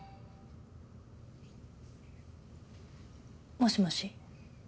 もしもし？